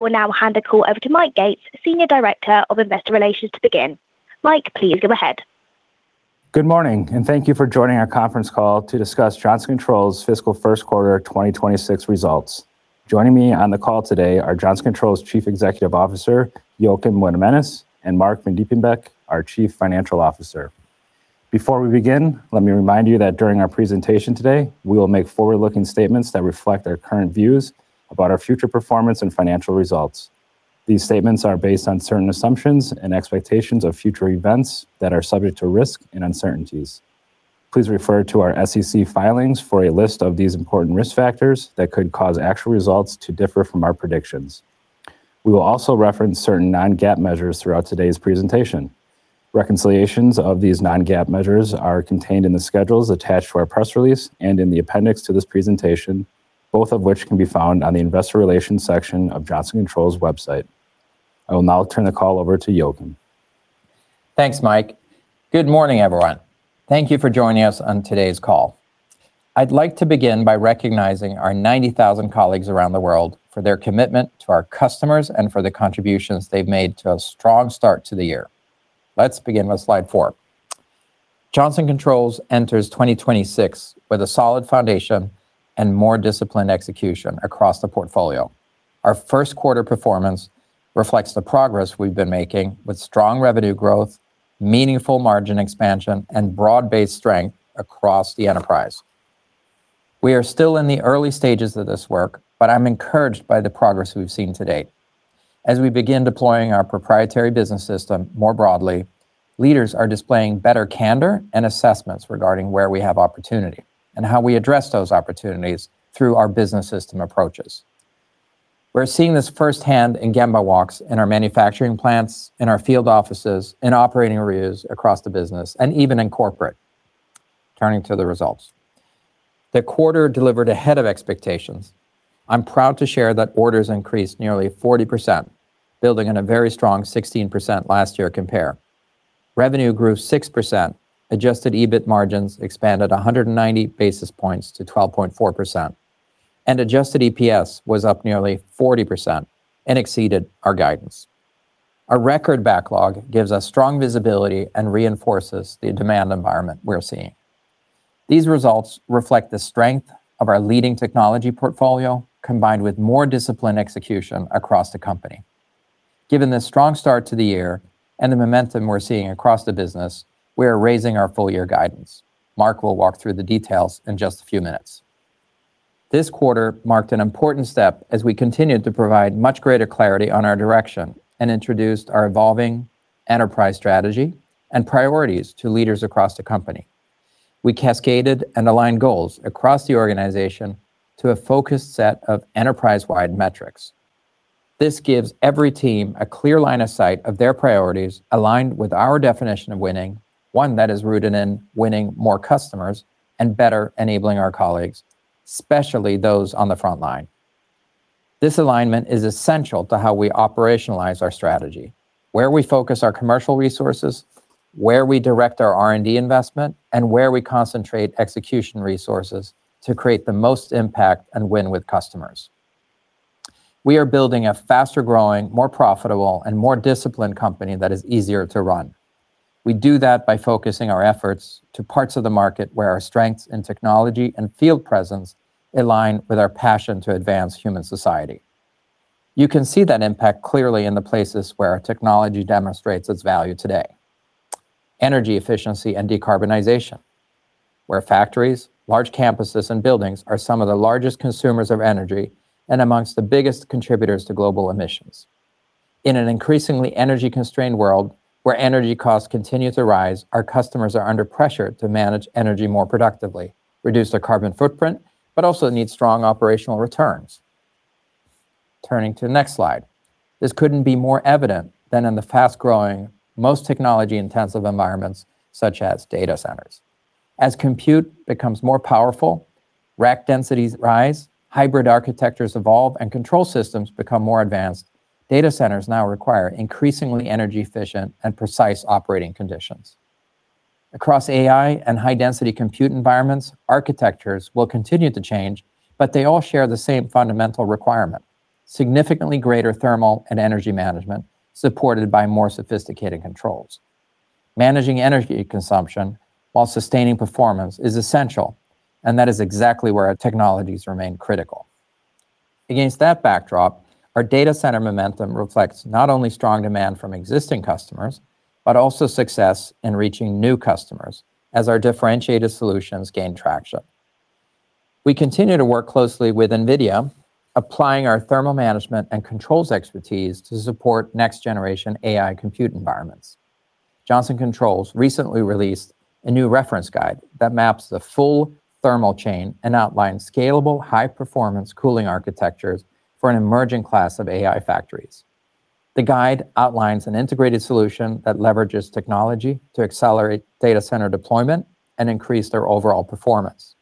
We'll now hand the call over to Mike Gates, Senior Director of Investor Relations, to begin. Mike, please go ahead. Good morning, and thank you for joining our conference call to discuss Johnson Controls fiscal first quarter 2026 results. Joining me on the call today are Johnson Controls Chief Executive Officer, Joakim Weidemanis, and Marc Vandiepenbeeck, our Chief Financial Officer. Before we begin, let me remind you that during our presentation today, we will make forward-looking statements that reflect our current views about our future performance and financial results. These statements are based on certain assumptions and expectations of future events that are subject to risk and uncertainties. Please refer to our SEC filings for a list of these important risk factors that could cause actual results to differ from our predictions. We will also reference certain non-GAAP measures throughout today's presentation. Reconciliations of these non-GAAP measures are contained in the schedules attached to our press release and in the appendix to this presentation, both of which can be found on the Investor Relations section of Johnson Controls' website. I will now turn the call over to Joakim. Thanks, Mike. Good morning, everyone. Thank you for joining us on today's call. I'd like to begin by recognizing our 90,000 colleagues around the world for their commitment to our customers and for the contributions they've made to a strong start to the year. Let's begin with slide four. Johnson Controls enters 2026 with a solid foundation and more disciplined execution across the portfolio. Our first quarter performance reflects the progress we've been making, with strong revenue growth, meaningful margin expansion, and broad-based strength across the enterprise. We are still in the early stages of this work, but I'm encouraged by the progress we've seen to date. As we begin deploying our proprietary business system more broadly, leaders are displaying better candor and assessments regarding where we have opportunity and how we address those opportunities through our business system approaches. We're seeing this firsthand in Gemba Walks, in our manufacturing plants, in our field offices, in operating areas across the business, and even in corporate. Turning to the results. The quarter delivered ahead of expectations. I'm proud to share that orders increased nearly 40%, building on a very strong 16% last year compare. Revenue grew 6%, adjusted EBIT margins expanded 190 basis points to 12.4%, and adjusted EPS was up nearly 40% and exceeded our guidance. Our record backlog gives us strong visibility and reinforces the demand environment we're seeing. These results reflect the strength of our leading technology portfolio, combined with more disciplined execution across the company. Given the strong start to the year and the momentum we're seeing across the business, we are raising our full year guidance. Marc will walk through the details in just a few minutes. This quarter marked an important step as we continued to provide much greater clarity on our direction and introduced our evolving enterprise strategy and priorities to leaders across the company. We cascaded and aligned goals across the organization to a focused set of enterprise-wide metrics. This gives every team a clear line of sight of their priorities, aligned with our definition of winning, one that is rooted in winning more customers and better enabling our colleagues, especially those on the front line. This alignment is essential to how we operationalize our strategy, where we focus our commercial resources, where we direct our R&D investment, and where we concentrate execution resources to create the most impact and win with customers. We are building a faster-growing, more profitable, and more disciplined company that is easier to run. We do that by focusing our efforts to parts of the market where our strengths in technology and field presence align with our passion to advance human society. You can see that impact clearly in the places where our technology demonstrates its value today. Energy efficiency and decarbonization, where factories, large campuses, and buildings are some of the largest consumers of energy and among the biggest contributors to global emissions. In an increasingly energy-constrained world, where energy costs continue to rise, our customers are under pressure to manage energy more productively, reduce their carbon footprint, but also need strong operational returns. Turning to the next slide. This couldn't be more evident than in the fast-growing, most technology-intensive environments, such as data centers. As compute becomes more powerful, rack densities rise, hybrid architectures evolve, and control systems become more advanced, data centers now require increasingly energy-efficient and precise operating conditions. Across AI and high-density compute environments, architectures will continue to change, but they all share the same fundamental requirement: significantly greater thermal and energy management, supported by more sophisticated controls. Managing energy consumption while sustaining performance is essential, and that is exactly where our technologies remain critical. Against that backdrop, our data center momentum reflects not only strong demand from existing customers, but also success in reaching new customers as our differentiated solutions gain traction. We continue to work closely with NVIDIA, applying our thermal management and controls expertise to support next-generation AI compute environments. Johnson Controls recently released a new reference guide that maps the full thermal chain and outlines scalable, high-performance cooling architectures for an emerging class of AI factories. The guide outlines an integrated solution that leverages technology to accelerate data center deployment and increase their overall performance.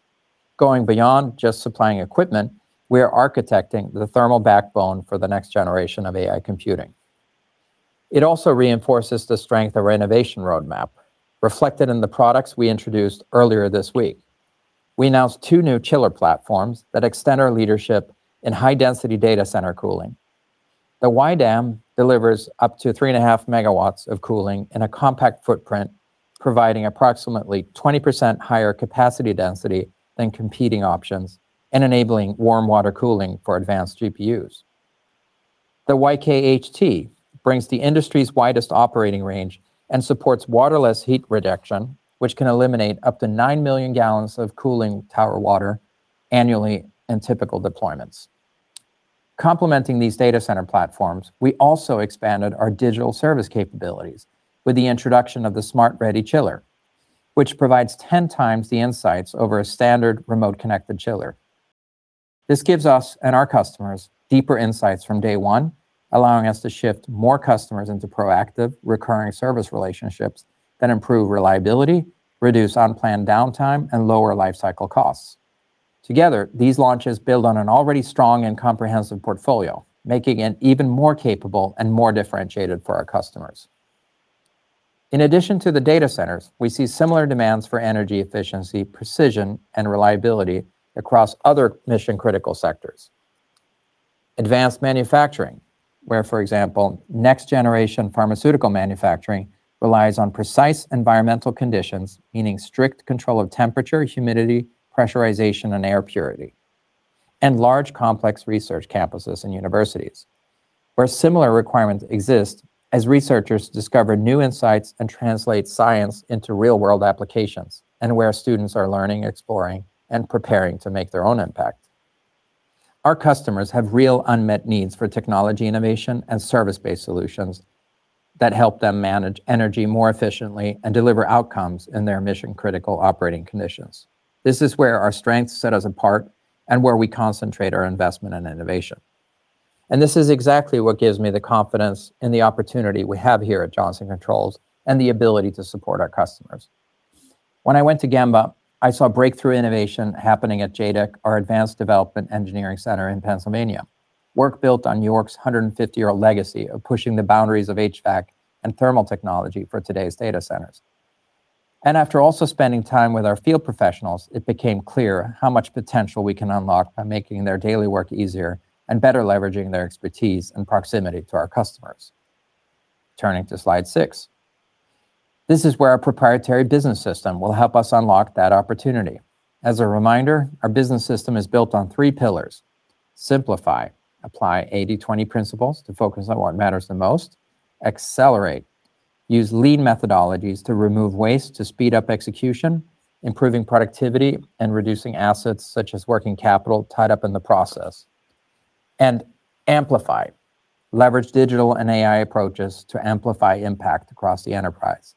Going beyond just supplying equipment, we are architecting the thermal backbone for the next generation of AI computing. It also reinforces the strength of our innovation roadmap, reflected in the products we introduced earlier this week. We announced two new chiller platforms that extend our leadership in high-density data center cooling. The YDAM delivers up to 3.5 MW of cooling in a compact footprint, providing approximately 20% higher capacity density than competing options and enabling warm water cooling for advanced GPUs. The YK-HT brings the industry's widest operating range and supports waterless heat reduction, which can eliminate up to 9 million gallons of cooling tower water annually in typical deployments. Complementing these data center platforms, we also expanded our digital service capabilities with the introduction of the Smart Ready Chiller, which provides 10 times the insights over a standard remote-connected chiller. This gives us and our customers deeper insights from day one, allowing us to shift more customers into proactive, recurring service relationships that improve reliability, reduce unplanned downtime, and lower lifecycle costs. Together, these launches build on an already strong and comprehensive portfolio, making it even more capable and more differentiated for our customers. In addition to the data centers, we see similar demands for energy efficiency, precision, and reliability across other Mission-Critical sectors. Advanced manufacturing, where, for example, next-generation pharmaceutical manufacturing relies on precise environmental conditions, meaning strict control of temperature, humidity, pressurization, and air purity, and large, complex research campuses and universities, where similar requirements exist as researchers discover new insights and translate science into real-world applications, and where students are learning, exploring, and preparing to make their own impact. Our customers have real unmet needs for technology innovation and service-based solutions that help them manage energy more efficiently and deliver outcomes in their Mission-Critical operating conditions. This is where our strengths set us apart and where we concentrate our investment and innovation. This is exactly what gives me the confidence in the opportunity we have here at Johnson Controls and the ability to support our customers. When I went to Gemba, I saw breakthrough innovation happening at JADEC, our advanced development engineering center in Pennsylvania. Work built on YORK's 150-year legacy of pushing the boundaries of HVAC and thermal technology for today's data centers. After also spending time with our field professionals, it became clear how much potential we can unlock by making their daily work easier and better leveraging their expertise and proximity to our customers. Turning to slide six. This is where our proprietary business system will help us unlock that opportunity. As a reminder, our business system is built on three pillars: Simplify, apply 80/20 principles to focus on what matters the most. Accelerate, use Lean methodologies to remove waste to speed up execution, improving productivity and reducing assets such as working capital tied up in the process. And Amplify, leverage digital and AI approaches to amplify impact across the enterprise.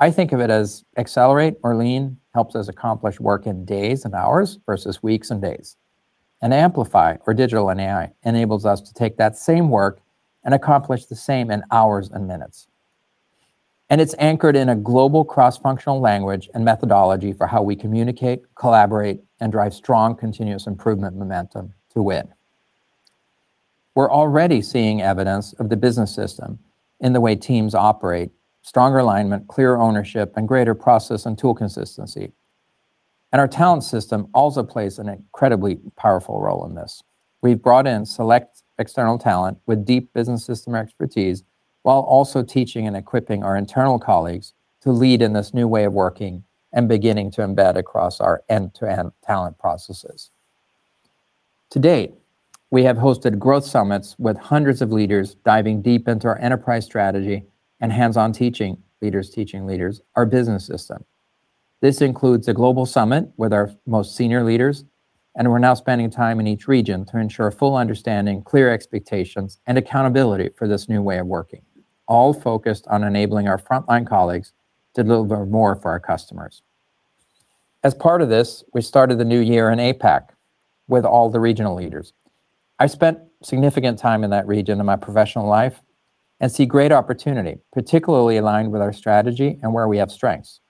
I think of it as Accelerate or Lean helps us accomplish work in days and hours versus weeks and days. Amplify or digital and AI enables us to take that same work and accomplish the same in hours and minutes. It's anchored in a global cross-functional language and methodology for how we communicate, collaborate, and drive strong, continuous improvement momentum to win. We're already seeing evidence of the business system in the way teams operate, stronger alignment, clearer ownership, and greater process and tool consistency. Our talent system also plays an incredibly powerful role in this. We've brought in select external talent with deep business system expertise, while also teaching and equipping our internal colleagues to lead in this new way of working and beginning to embed across our end-to-end talent processes. To date, we have hosted growth summits with hundreds of leaders, diving deep into our enterprise strategy and hands-on teaching, leaders teaching leaders, our business system. This includes a global summit with our most senior leaders, and we're now spending time in each region to ensure full understanding, clear expectations, and accountability for this new way of working, all focused on enabling our frontline colleagues to deliver more for our customers. As part of this, we started the new year in APAC with all the regional leaders. I spent significant time in that region in my professional life and see great opportunity, particularly aligned with our strategy and where we have strengths.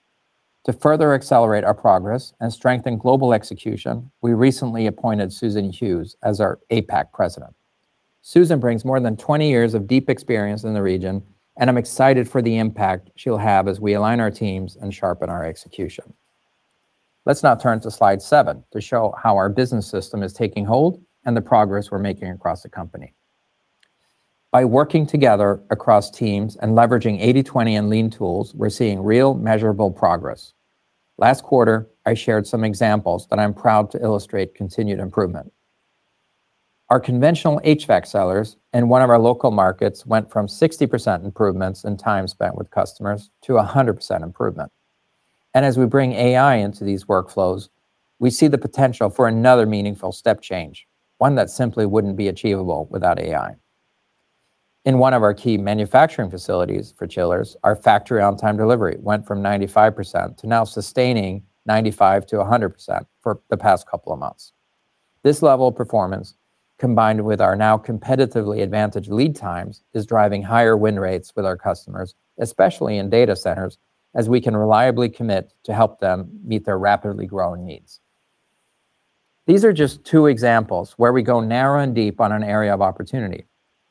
To further accelerate our progress and strengthen global execution, we recently appointed Susan Hughes as our APAC president. Susan brings more than 20 years of deep experience in the region, and I'm excited for the impact she'll have as we align our teams and sharpen our execution. Let's now turn to slide seven to show how our business system is taking hold and the progress we're making across the company. By working together across teams and leveraging 80/20 and Lean tools, we're seeing real, measurable progress. Last quarter, I shared some examples, but I'm proud to illustrate continued improvement. Our conventional HVAC sellers in one of our local markets went from 60% improvements in time spent with customers to 100% improvement. And as we bring AI into these workflows, we see the potential for another meaningful step change, one that simply wouldn't be achievable without AI. In one of our key manufacturing facilities for chillers, our factory on-time delivery went from 95% to now sustaining 95%-100% for the past couple of months. This level of performance, combined with our now competitively advantaged lead times, is driving higher win rates with our customers, especially in data centers, as we can reliably commit to help them meet their rapidly growing needs. These are just two examples where we go narrow and deep on an area of opportunity.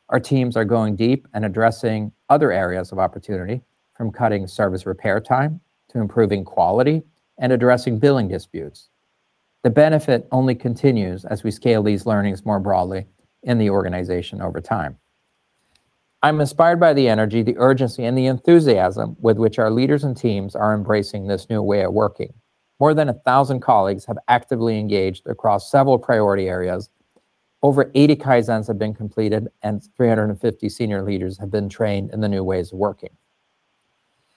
Our teams are going deep and addressing other areas of opportunity, from cutting service repair time, to improving quality, and addressing billing disputes. The benefit only continues as we scale these learnings more broadly in the organization over time. I'm inspired by the energy, the urgency, and the enthusiasm with which our leaders and teams are embracing this new way of working. More than 1,000 colleagues have actively engaged across several priority areas. Over 80 kaizens have been completed, and 350 senior leaders have been trained in the new ways of working.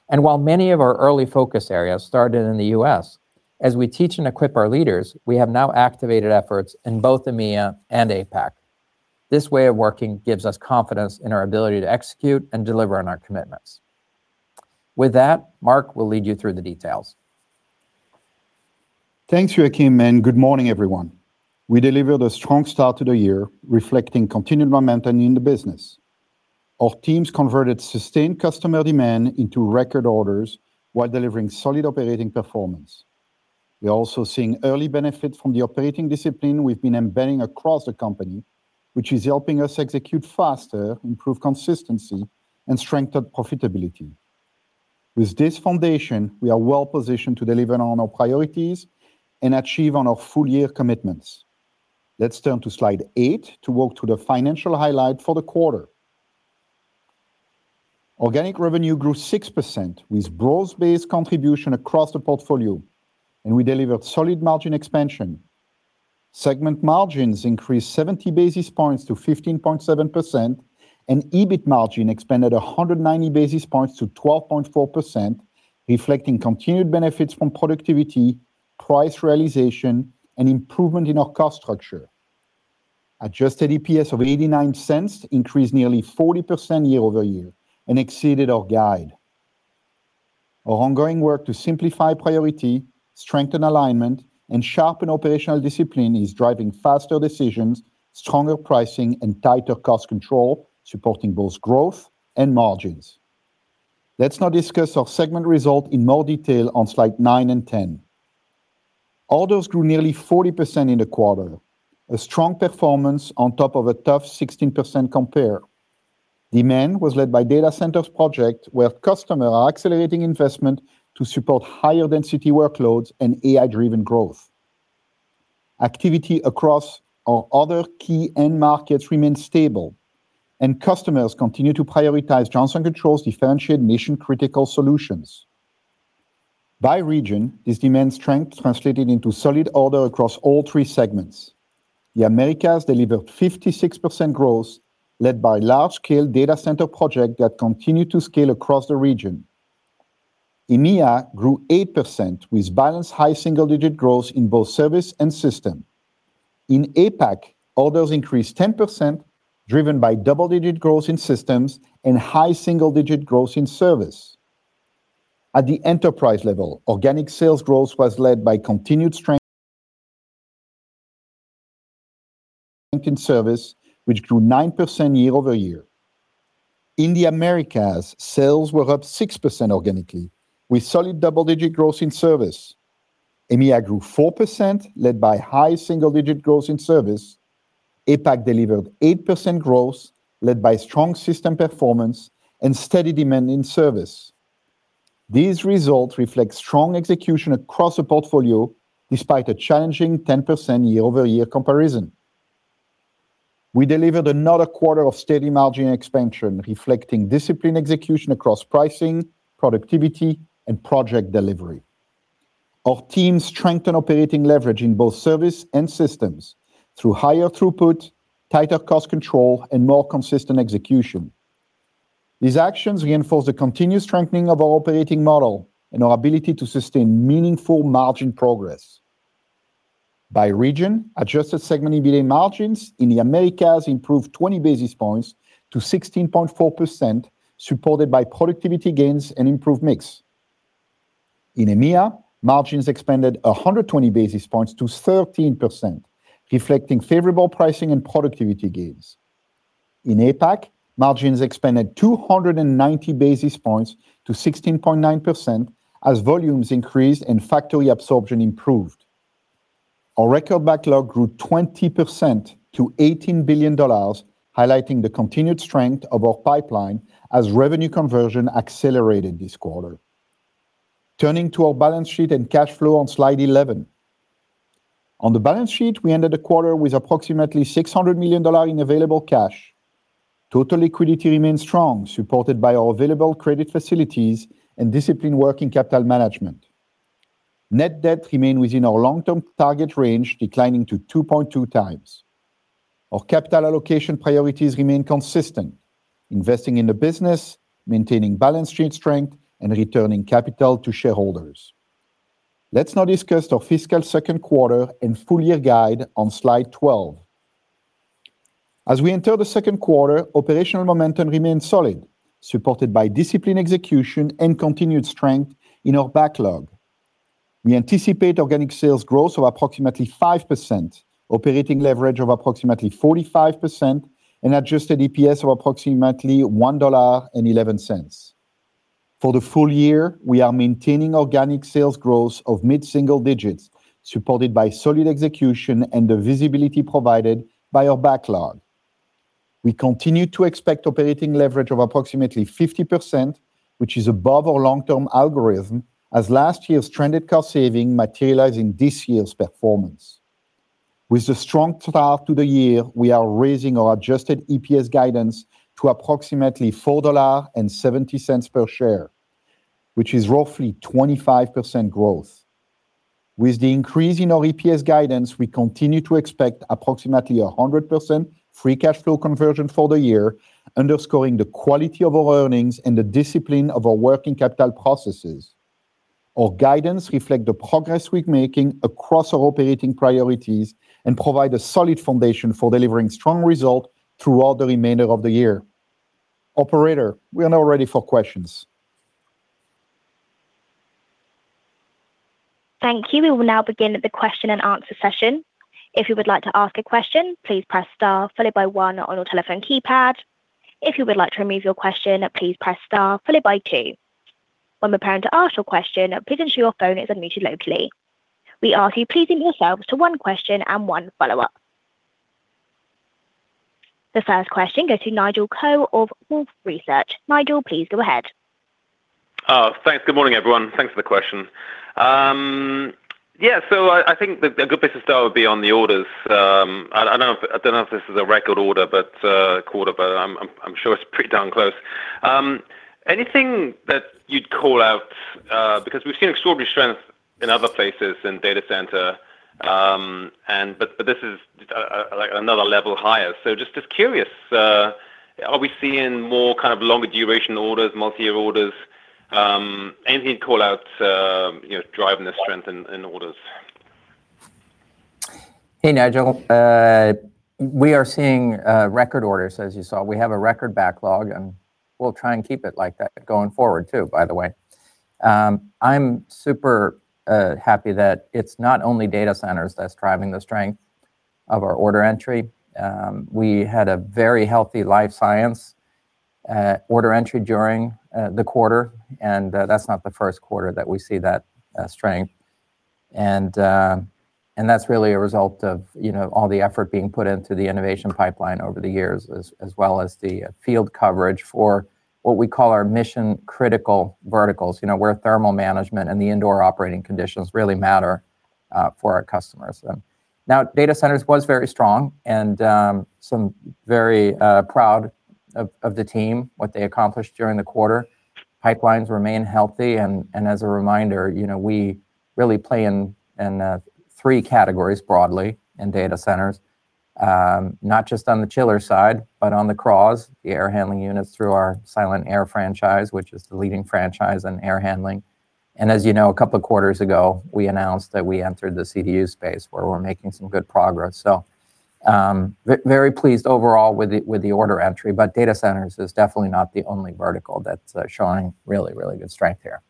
And while many of our early focus areas started in the U.S., as we teach and equip our leaders, we have now activated efforts in both EMEA and APAC. This way of working gives us confidence in our ability to execute and deliver on our commitments. With that, Marc will lead you through the details. Thanks, Joakim, and good morning, everyone. We delivered a strong start to the year, reflecting continued momentum in the business. Our teams converted sustained customer demand into record orders while delivering solid operating performance. We are also seeing early benefits from the operating discipline we've been embedding across the company, which is helping us execute faster, improve consistency, and strengthen profitability. With this foundation, we are well-positioned to deliver on our priorities and achieve on our full-year commitments. Let's turn to slide eight to walk through the financial highlight for the quarter. Organic revenue grew 6%, with growth-based contribution across the portfolio, and we delivered solid margin expansion. Segment margins increased 70 basis points to 15.7%, and EBIT margin expanded 190 basis points to 12.4%, reflecting continued benefits from productivity, price realization, and improvement in our cost structure. Adjusted EPS of $0.89 increased nearly 40% year-over-year and exceeded our guide. Our ongoing work to simplify priority, strengthen alignment, and sharpen operational discipline is driving faster decisions, stronger pricing, and tighter cost control, supporting both growth and margins. Let's now discuss our segment results in more detail on slides nine and 10. Orders grew nearly 40% in the quarter, a strong performance on top of a tough 16% compare. Demand was led by data center projects, where customers are accelerating investment to support higher-density workloads and AI-driven growth. Activity across our other key end markets remains stable, and customers continue to prioritize Johnson Controls' differentiated Mission-Critical solutions. By region, this demand strength translated into solid orders across all three segments. The Americas delivered 56% growth, led by large-scale data center projects that continued to scale across the region. EMEA grew 8%, with balanced high single-digit growth in both service and system. In APAC, orders increased 10%, driven by double-digit growth in systems and high single-digit growth in service. At the enterprise level, organic sales growth was led by continued strength in service, which grew 9% year-over-year. In the Americas, sales were up 6% organically, with solid double-digit growth in service. EMEA grew 4%, led by high single-digit growth in service. APAC delivered 8% growth, led by strong system performance and steady demand in service. These results reflect strong execution across the portfolio, despite a challenging 10% year-over-year comparison. We delivered another quarter of steady margin expansion, reflecting disciplined execution across pricing, productivity, and project delivery. Our teams strengthened operating leverage in both service and systems through higher throughput, tighter cost control, and more consistent execution. These actions reinforce the continued strengthening of our operating model and our ability to sustain meaningful margin progress. By region, adjusted segment EBIT margins in the Americas improved 20 basis points to 16.4%, supported by productivity gains and improved mix. In EMEA, margins expanded 120 basis points to 13%, reflecting favorable pricing and productivity gains. In APAC, margins expanded 290 basis points to 16.9%, as volumes increased and factory absorption improved. Our record backlog grew 20% to $18 billion, highlighting the continued strength of our pipeline as revenue conversion accelerated this quarter. Turning to our balance sheet and cash flow on slide 11. On the balance sheet, we ended the quarter with approximately $600 million in available cash. Total liquidity remains strong, supported by our available credit facilities and disciplined working capital management. Net debt remained within our long-term target range, declining to 2.2x. Our capital allocation priorities remain consistent: investing in the business, maintaining balance sheet strength, and returning capital to shareholders. Let's now discuss our fiscal second quarter and full year guide on slide 12. As we enter the second quarter, operational momentum remains solid, supported by disciplined execution and continued strength in our backlog. We anticipate organic sales growth of approximately 5%, operating leverage of approximately 45%, and adjusted EPS of approximately $1.11. For the full year, we are maintaining organic sales growth of mid-single digits, supported by solid execution and the visibility provided by our backlog. We continue to expect operating leverage of approximately 50%, which is above our long-term algorithm, as last year's trended cost saving materializing this year's performance. With the strong start to the year, we are raising our adjusted EPS guidance to approximately $4.70 per share, which is roughly 25% growth. With the increase in our EPS guidance, we continue to expect approximately 100% free cash flow conversion for the year, underscoring the quality of our earnings and the discipline of our working capital processes. Our guidance reflect the progress we're making across our operating priorities and provide a solid foundation for delivering strong result throughout the remainder of the year. Operator, we are now ready for questions. Thank you. We will now begin the question and answer session. If you would like to ask a question, please press star followed by one on your telephone keypad. If you would like to remove your question, please press star followed by two. When preparing to ask your question, please ensure your phone is unmuted locally. We ask you, please limit yourselves to one question and one follow-up. The first question goes to Nigel Coe of Wolfe Research. Nigel, please go ahead. Thanks. Good morning, everyone. Thanks for the question. Yeah, so I think that a good place to start would be on the orders. I don't know if this is a record order quarter, but I'm sure it's pretty darn close. Anything that you'd call out, because we've seen extraordinary strength in other places in data center, but this is like another level higher. So just curious, are we seeing more kind of longer duration orders, multi-year orders? Anything you'd call out, you know, driving the strength in orders? Hey, Nigel. We are seeing record orders, as you saw. We have a record backlog, and we'll try and keep it like that going forward, too, by the way. I'm super happy that it's not only data centers that's driving the strength of our order entry. We had a very healthy life science order entry during the quarter, and that's not the first quarter that we see that strength. And that's really a result of, you know, all the effort being put into the innovation pipeline over the years, as well as the field coverage for what we call our Mission-Critical Verticals. You know, where thermal management and the indoor operating conditions really matter for our customers. Now, data centers was very strong and, some very, proud of, of the team, what they accomplished during the quarter. Pipelines remain healthy, and, as a reminder, you know, we really play in, in, three categories broadly in data centers. Not just on the chiller side, but on the crawls, the air handling units through our Silent-Aire franchise, which is the leading franchise in air handling. And as you know, a couple of quarters ago, we announced that we entered the CDU space, where we're making some good progress. So, very pleased overall with the, with the order entry, but data centers is definitely not the only vertical that's, showing really, really good strength here.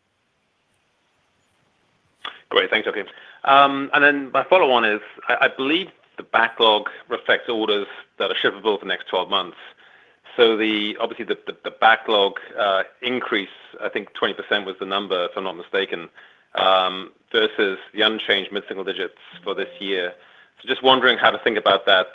Great. Thanks, Joakim. And then my follow-on is, I believe the backlog reflects orders that are shippable for the next 12 months. So the—obviously, the backlog increase, I think 20% was the number, if I'm not mistaken, versus the unchanged mid-single digits for this year. So just wondering how to think about that,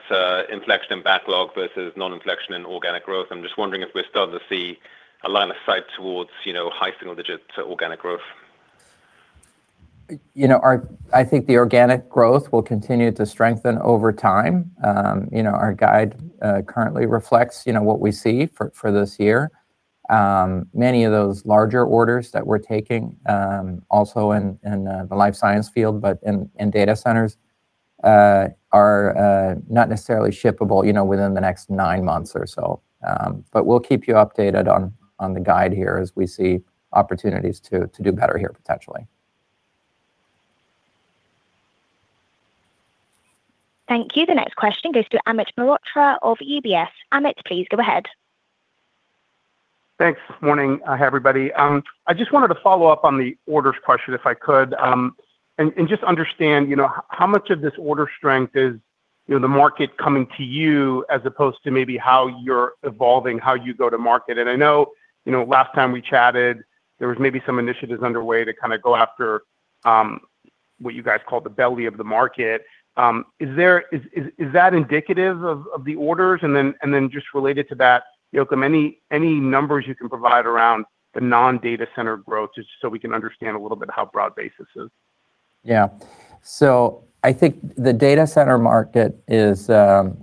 inflection in backlog versus non-inflection in organic growth. I'm just wondering if we're starting to see a line of sight towards, you know, high single digits organic growth. You know, our I think the organic growth will continue to strengthen over time. You know, our guide currently reflects what we see for this year. Many of those larger orders that we're taking also in the life science field, but in data centers are not necessarily shippable, you know, within the next nine months or so. But we'll keep you updated on the guide here as we see opportunities to do better here, potentially. Thank you. The next question goes to Amit Mehrotra of UBS. Amit, please go ahead. Thanks. Morning, everybody. I just wanted to follow up on the orders question, if I could. And just understand, you know, how much of this order strength is, you know, the market coming to you as opposed to maybe how you're evolving, how you go to market? And I know, you know, last time we chatted, there was maybe some initiatives underway to kind of go after, what you guys call the belly of the market. Is that indicative of the orders? And then just related to that, Joakim, any numbers you can provide around the non-data center growth, just so we can understand a little bit how broad-based this is? Yeah. So I think the data center market is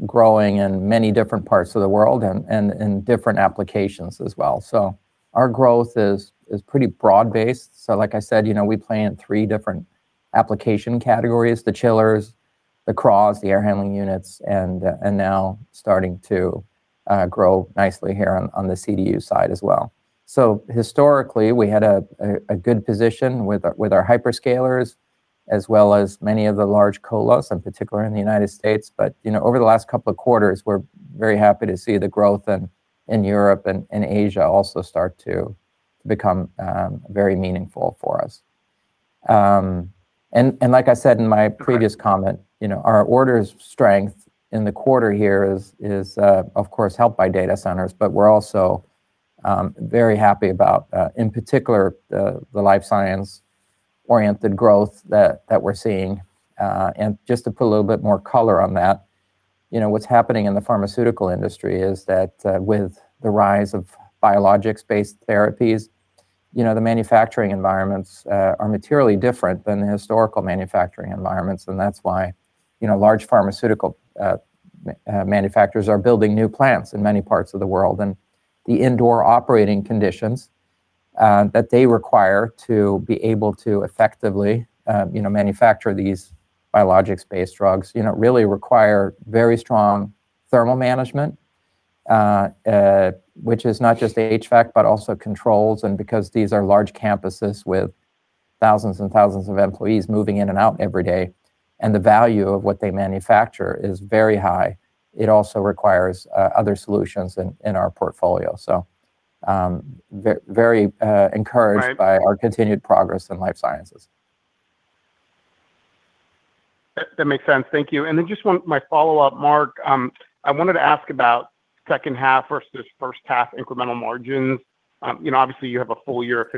growing in many different parts of the world and in different applications as well. So our growth is pretty broad-based. So like I said, you know, we play in three different application categories: the chillers, the CRAHs, the air handling units, and now starting to grow nicely here on the CDU side as well. So historically, we had a good position with our hyperscalers, as well as many of the large colos, in particular in the United States. But, you know, over the last couple of quarters, we're very happy to see the growth in Europe and Asia also start to become very meaningful for us. Like I said in my previous comment, you know, our orders strength in the quarter here is of course helped by data centers, but we're also very happy about in particular the life science-oriented growth that we're seeing. And just to put a little bit more color on that, you know, what's happening in the pharmaceutical industry is that with the rise of biologics-based therapies, you know, the manufacturing environments are materially different than the historical manufacturing environments, and that's why, you know, large pharmaceutical manufacturers are building new plants in many parts of the world. And the indoor operating conditions that they require to be able to effectively, you know, manufacture these biologics-based drugs, you know, really require very strong thermal management, which is not just the HVAC but also controls. And because these are large campuses with thousands and thousands of employees moving in and out every day, and the value of what they manufacture is very high, it also requires other solutions in our portfolio. So, very encouraged- Right... by our continued progress in life sciences. That, that makes sense. Thank you. And then just one, my follow-up, Marc. I wanted to ask about second half versus first half incremental margins. You know, obviously, you have a full year of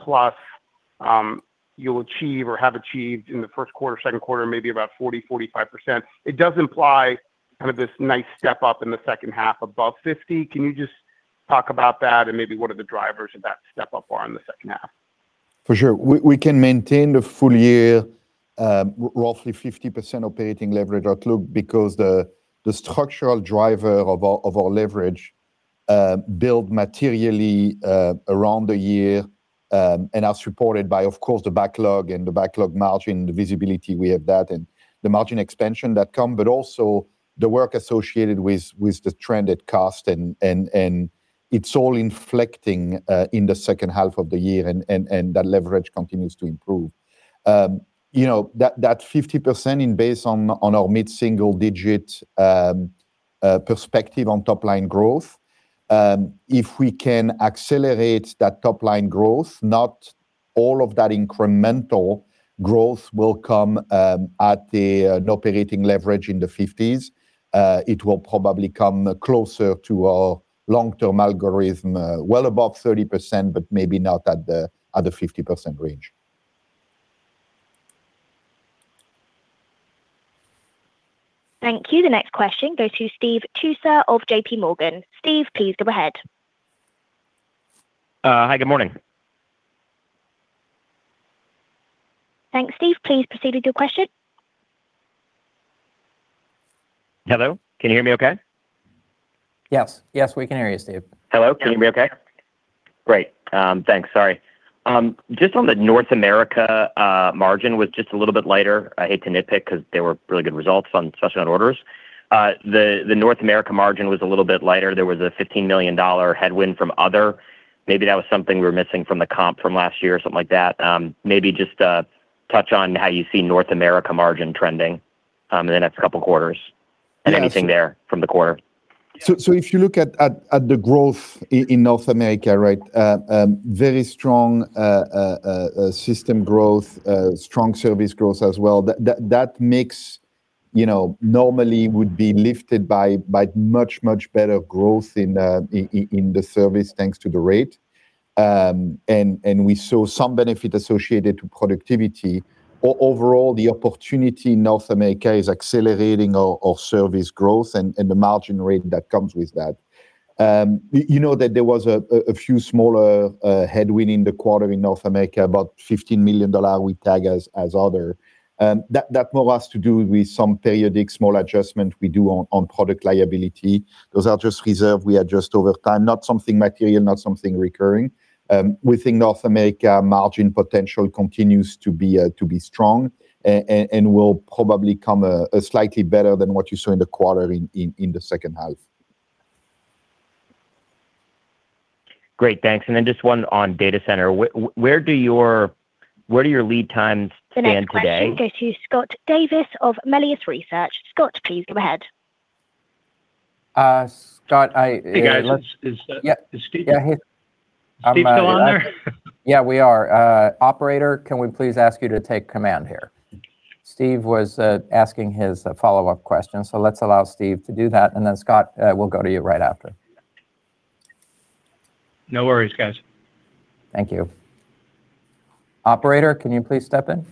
50%+, you'll achieve or have achieved in the first quarter, second quarter, maybe about 40%-45%. It does imply kind of this nice step up in the second half above 50%. Can you just talk about that, and maybe what are the drivers of that step up are in the second half? For sure. We can maintain the full year roughly 50% operating leverage outlook because the structural driver of our leverage build materially around the year, and as reported by, of course, the backlog and the backlog margin, the visibility we have that, and the margin expansion that come, but also the work associated with the trend at cost and it's all inflecting in the second half of the year, and that leverage continues to improve. You know, that 50% is based on our mid-single digit perspective on top line growth, if we can accelerate that top line growth, not all of that incremental growth will come at an operating leverage in the 50s. It will probably come closer to our long-term algorithm, well above 30%, but maybe not at the 50% range. Thank you. The next question goes to Steve Tusa of JPMorgan. Steve, please go ahead. Hi, good morning. Thanks, Steve. Please proceed with your question. Hello? Can you hear me okay? Yes. Yes, we can hear you, Steve. Hello, can you hear me okay? Great. Thanks. Sorry. Just on the North America margin was just a little bit lighter. I hate to nitpick 'cause they were really good results on, especially on orders. The North America margin was a little bit lighter. There was a $15 million headwind from other. Maybe that was something we're missing from the comp from last year or something like that. Maybe just touch on how you see North America margin trending in the next couple of quarters- Yes... and anything there from the quarter. So if you look at the growth in North America, right? Very strong system growth, strong service growth as well. That mix, you know, normally would be lifted by much better growth in the service, thanks to the rate. And we saw some benefit associated to productivity. Overall, the opportunity in North America is accelerating our service growth and the margin rate that comes with that. You know, that there was a few smaller headwind in the quarter in North America, about $15 million we tag as other. That more has to do with some periodic small adjustment we do on product liability. Those are just reserve we adjust over time. Not something material, not something recurring. We think North America margin potential continues to be strong and will probably come slightly better than what you saw in the quarter in the second half. Great, thanks. And then just one on data center. Where are your lead times stand today? The next question goes to Scott Davis of Melius Research. Scott, please go ahead. Scott, I Hey, guys. Yeah... is Steve- Yeah, hey. I'm- Steve, still on there? Yeah, we are. Operator, can we please ask you to take command here? Steve was asking his follow-up question, so let's allow Steve to do that, and then, Scott, we'll go to you right after. No worries, guys. Thank you. Operator, can you please step in?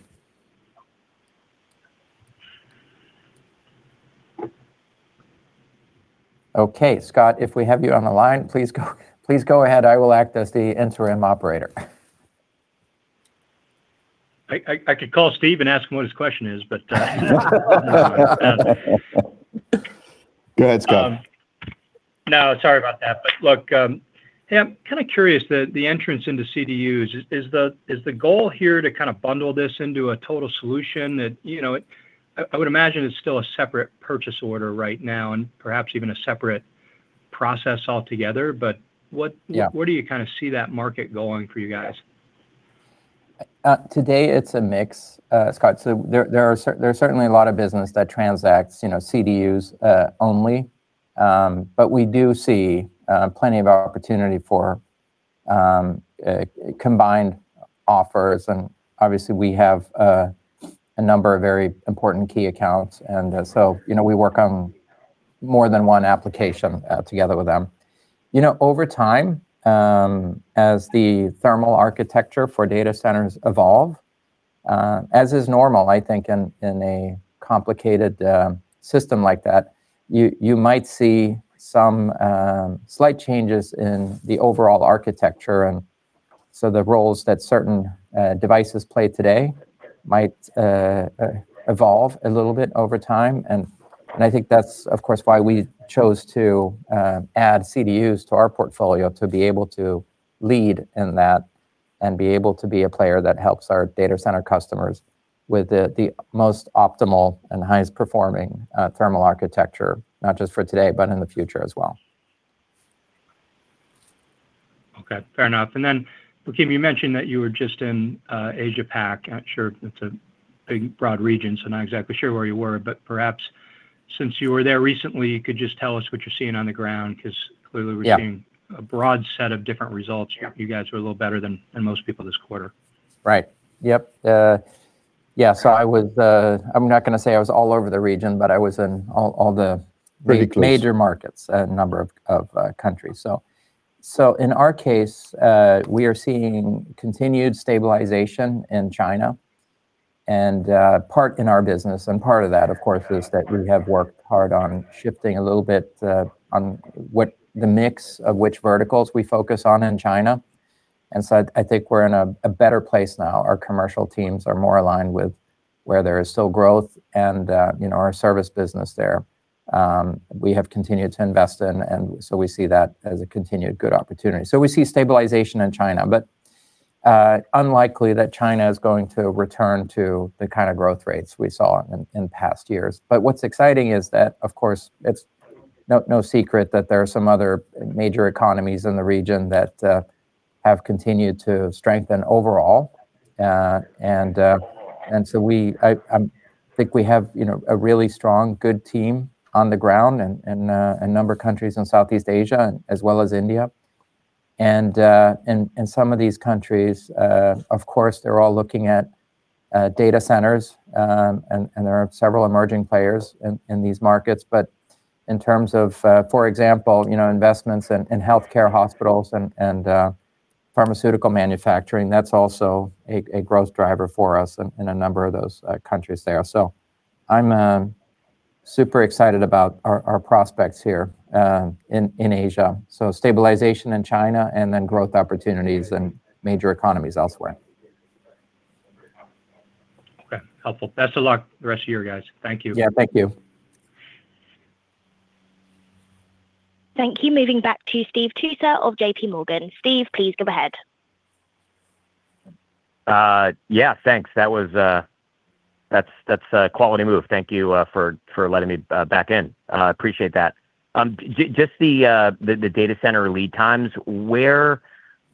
Okay, Scott, if we have you on the line, please go, please go ahead. I will act as the interim operator. I could call Steve and ask him what his question is, but... Go ahead, Scott. No, sorry about that. But look, yeah, I'm kind of curious, the entrance into CDUs. Is the goal here to kind of bundle this into a total solution that, you know... I would imagine it's still a separate purchase order right now and perhaps even a separate process altogether, but what- Yeah... where do you kind of see that market going for you guys? Today it's a mix, Scott. So there are certainly a lot of business that transacts, you know, CDUs only. But we do see plenty of opportunity for combined offers, and obviously we have a number of very important key accounts. So, you know, we work on more than one application together with them. You know, over time, as the thermal architecture for data centers evolve, as is normal, I think in a complicated system like that, you might see some slight changes in the overall architecture. So the roles that certain devices play today might evolve a little bit over time. I think that's, of course, why we chose to add CDUs to our portfolio, to be able to lead in that and be able to be a player that helps our data center customers with the most optimal and highest performing thermal architecture, not just for today, but in the future as well. Okay, fair enough. And then, Joakim, you mentioned that you were just in Asia Pac. Not sure if it's a big, broad region, so I'm not exactly sure where you were, but perhaps since you were there recently, you could just tell us what you're seeing on the ground, because clearly- Yeah... we're seeing a broad set of different results. Yeah. You guys were a little better than most people this quarter. Right. Yep. Yeah, so I was. I'm not going to say I was all over the region, but I was in all the- Right... major markets, a number of, of, countries. So in our case, we are seeing continued stabilization in China and, part in our business. And part of that, of course, is that we have worked hard on shifting a little bit, on what the mix of which verticals we focus on in China. And so I think we're in a better place now. Our commercial teams are more aligned with where there is still growth and, you know, our service business there. We have continued to invest in, and so we see that as a continued good opportunity. So we see stabilization in China, but unlikely that China is going to return to the kind of growth rates we saw in past years. But what's exciting is that, of course, it's no secret that there are some other major economies in the region that have continued to strengthen overall. And so I think we have, you know, a really strong, good team on the ground in a number of countries in Southeast Asia and as well as India. And some of these countries, of course, they're all looking at data centers. And there are several emerging players in these markets, but in terms of, for example, you know, investments in healthcare, hospitals, and pharmaceutical manufacturing, that's also a growth driver for us in a number of those countries there. So I'm super excited about our prospects here in Asia. Stabilization in China, and then growth opportunities in major economies elsewhere. Okay. Helpful. Best of luck the rest of year, guys. Thank you. Yeah. Thank you. Thank you. Moving back to Steve Tusa of JPMorgan. Steve, please go ahead. Yeah, thanks. That was, That's a quality move. Thank you, for letting me back in. I appreciate that. Just the data center lead times, where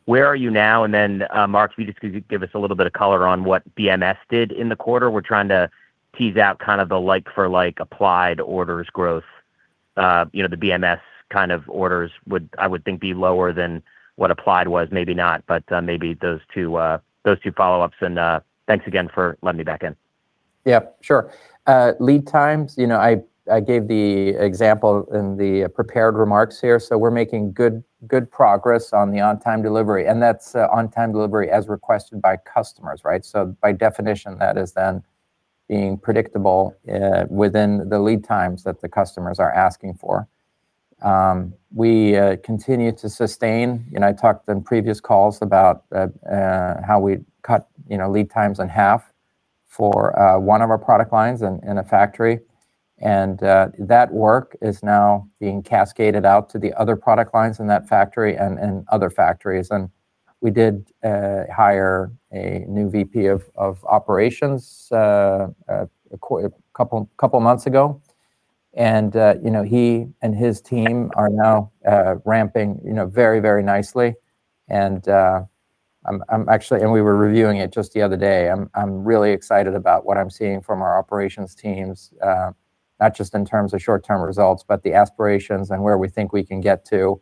are you now? And then, Marc, if you just could give us a little bit of color on what BMS did in the quarter. We're trying to tease out kind of the like for like applied orders growth. You know, the BMS kind of orders would, I would think, be lower than what applied was, maybe not, but, maybe those two follow-ups, and, thanks again for letting me back in. Yeah, sure. Lead times, you know, I gave the example in the prepared remarks here. So we're making good, good progress on the on-time delivery, and that's on-time delivery as requested by customers, right? So by definition, that is then being predictable within the lead times that the customers are asking for. We continue to sustain, and I talked in previous calls about how we cut, you know, lead times in half for one of our product lines in a factory. And that work is now being cascaded out to the other product lines in that factory and other factories. And we did hire a new VP of operations a couple of months ago. And you know, he and his team are now ramping, you know, very, very nicely. And we were reviewing it just the other day. I'm really excited about what I'm seeing from our operations teams, not just in terms of short-term results, but the aspirations and where we think we can get to,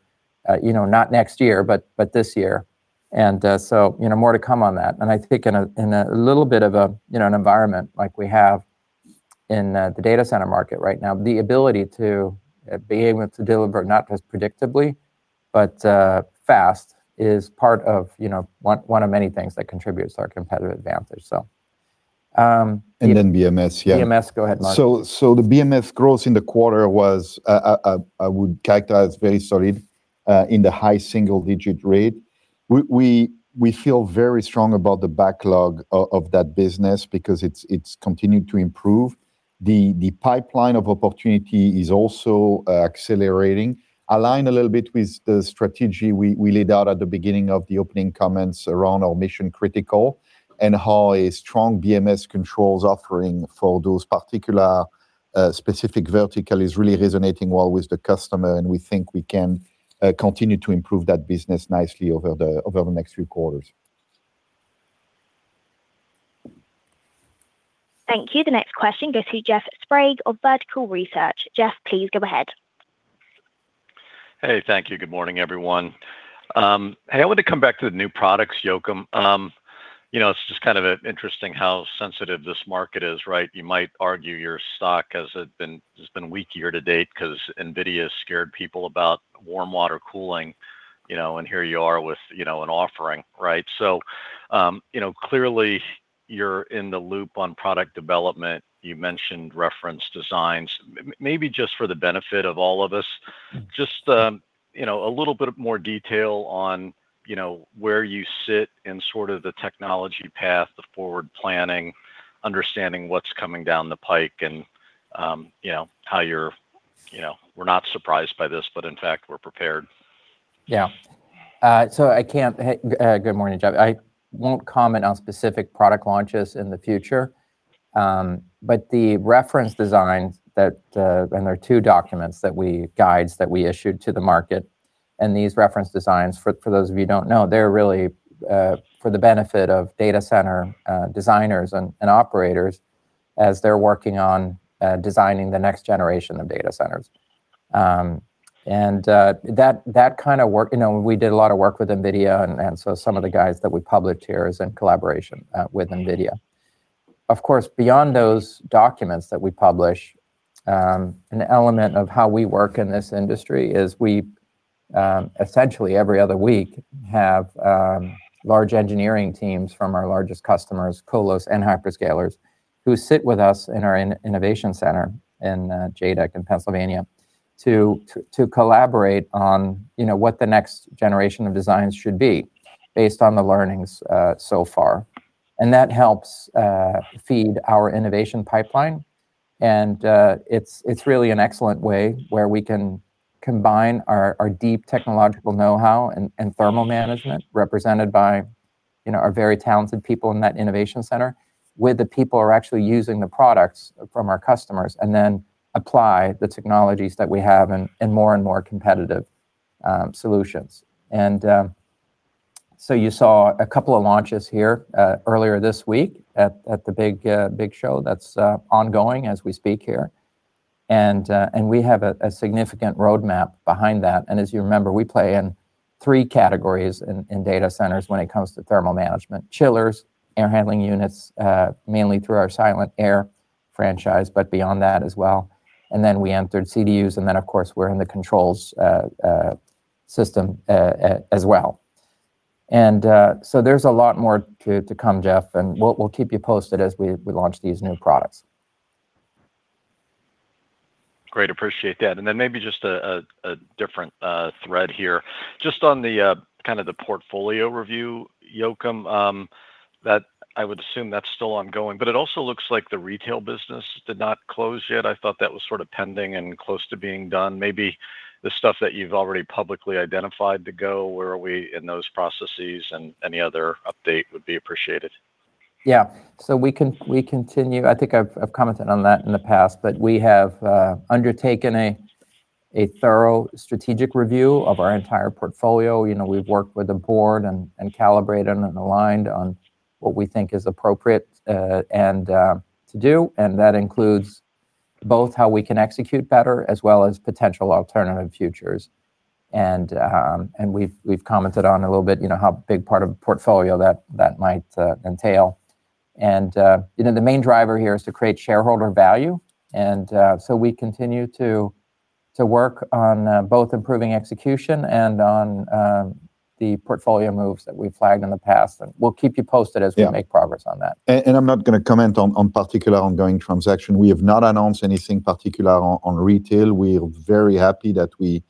you know, not next year, but this year. So, you know, more to come on that. And I think in a little bit of a, you know, an environment like we have in the data center market right now, the ability to being able to deliver not just predictably, but fast, is part of, you know, one of many things that contributes to our competitive advantage. So, And then BMS, yeah. BMS, go ahead, Marc. So the BMS growth in the quarter was, I would characterize very solid, in the high single-digit rate. We feel very strong about the backlog of that business because it's continued to improve. The pipeline of opportunity is also accelerating, aligning a little bit with the strategy we laid out at the beginning of the opening comments around our Mission-Critical, and how a strong BMS controls offering for those particular specific vertical is really resonating well with the customer, and we think we can continue to improve that business nicely over the next few quarters. Thank you. The next question goes to Jeff Sprague of Vertical Research. Jeff, please go ahead. Hey, thank you. Good morning, everyone. Hey, I wanted to come back to the new products, Joakim. You know, it's just kind of interesting how sensitive this market is, right? You might argue your stock has been weak year to date because NVIDIA scared people about warm water cooling, you know, and here you are with, you know, an offering, right? So, you know, clearly, you're in the loop on product development. You mentioned reference designs. Maybe just for the benefit of all of us, just, you know, a little bit more detail on, you know, where you sit in sort of the technology path, the forward planning, understanding what's coming down the pike, and, you know, how you're... You know, we're not surprised by this, but in fact, we're prepared. Yeah. Hey, good morning, Jeff. I won't comment on specific product launches in the future. But the reference designs that, and there are two documents that we—guides that we issued to the market, and these reference designs for, for those of you who don't know, they're really for the benefit of data center designers and operators as they're working on designing the next generation of data centers. And that kind of work, you know, we did a lot of work with NVIDIA, and so some of the guides that we published here is in collaboration with NVIDIA. Of course, beyond those documents that we publish, an element of how we work in this industry is we essentially, every other week, have large engineering teams from our largest customers, colos and hyperscalers, who sit with us in our innovation center in JADEC in Pennsylvania, to collaborate on, you know, what the next generation of designs should be based on the learnings so far. And that helps feed our innovation pipeline. And it's really an excellent way where we can combine our deep technological know-how and thermal management, represented by, you know, our very talented people in that innovation center, with the people who are actually using the products from our customers, and then apply the technologies that we have in more and more competitive solutions. And so you saw a couple of launches here earlier this week at the big show that's ongoing as we speak here. And we have a significant roadmap behind that. And as you remember, we play in three categories in data centers when it comes to thermal management: chillers, air handling units, mainly through our Silent-Aire franchise, but beyond that as well. And then we entered CDUs, and then, of course, we're in the controls system as well. And so there's a lot more to come, Jeff, and we'll keep you posted as we launch these new products. Great. Appreciate that. And then maybe just a different thread here. Just on the kind of the portfolio review, Joakim, that I would assume that's still ongoing, but it also looks like the retail business did not close yet. I thought that was sort of pending and close to being done. Maybe the stuff that you've already publicly identified to go, where are we in those processes? And any other update would be appreciated. Yeah. So we continue. I think I've commented on that in the past, but we have undertaken a thorough strategic review of our entire portfolio. You know, we've worked with the board and calibrated and aligned on what we think is appropriate, and to do, and that includes both how we can execute better as well as potential alternative futures. And we've commented on a little bit, you know, how big part of the portfolio that might entail. And you know, the main driver here is to create shareholder value, and so we continue to work on both improving execution and on the portfolio moves that we flagged in the past. And we'll keep you posted as- Yeah... we make progress on that. I'm not gonna comment on particular ongoing transaction. We have not announced anything particular on retail. We are very happy that we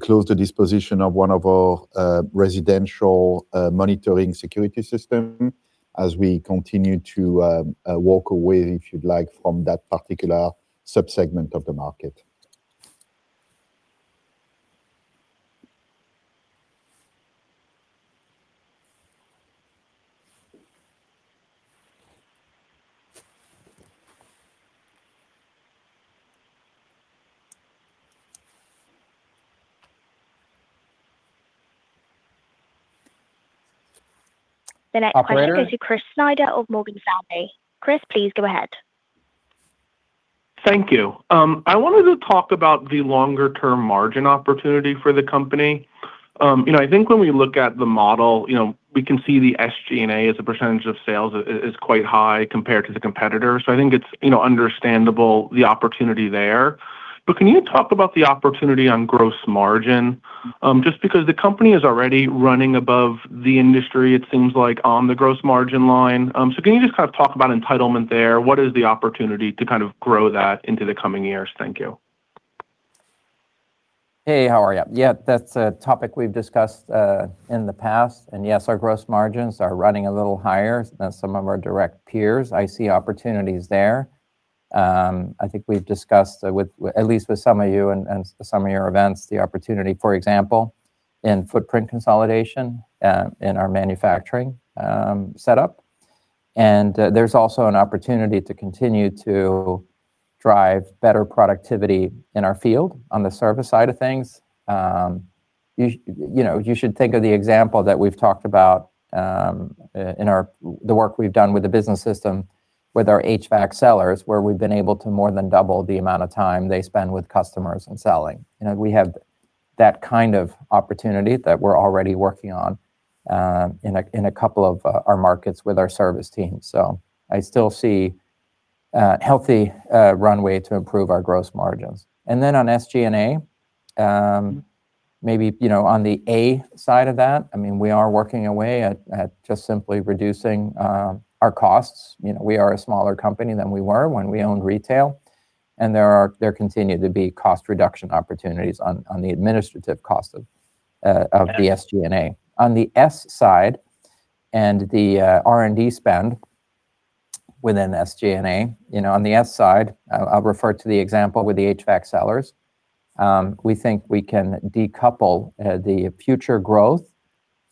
closed the disposition of one of our residential monitoring security system as we continue to walk away, if you'd like, from that particular subsegment of the market. The next question- Operator - goes to Chris Snyder of Morgan Stanley. Chris, please go ahead. Thank you. I wanted to talk about the longer-term margin opportunity for the company. You know, I think when we look at the model, you know, we can see the SG&A as a percentage of sales is quite high compared to the competitor. So I think it's, you know, understandable, the opportunity there. But can you talk about the opportunity on gross margin? Just because the company is already running above the industry, it seems like on the gross margin line. So can you just kind of talk about entitlement there? What is the opportunity to kind of grow that into the coming years? Thank you. Hey, how are you? Yeah, that's a topic we've discussed in the past, and yes, our gross margins are running a little higher than some of our direct peers. I see opportunities there. I think we've discussed with at least some of you and some of your events the opportunity, for example, in footprint consolidation in our manufacturing setup. And there's also an opportunity to continue to drive better productivity in our field on the service side of things. You know, you should think of the example that we've talked about in our the work we've done with the business system, with our HVAC sellers, where we've been able to more than double the amount of time they spend with customers and selling. You know, we have that kind of opportunity that we're already working on in a couple of our markets with our service team. So I still see healthy runway to improve our gross margins. And then on SG&A, maybe, you know, on the A side of that, I mean, we are working away at just simply reducing our costs. You know, we are a smaller company than we were when we owned retail, and there continue to be cost reduction opportunities on the administrative cost of the SG&A. On the S side and the R&D spend within SG&A, you know, on the S side, I'll refer to the example with the HVAC sellers. We think we can decouple the future growth